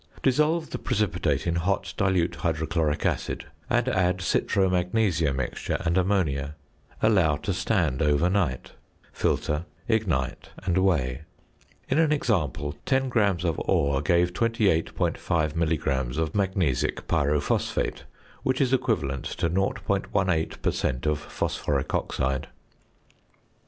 Dissolve the precipitate in hot dilute hydrochloric acid, and add citro magnesia mixture and ammonia; allow to stand overnight; filter, ignite, and weigh. In an example, 10 grams of ore gave 28.5 milligrams of magnesic pyrophosphate, which is equivalent to 0.18 per cent. of phosphoric oxide.